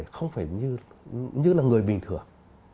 không phải như là người bình thường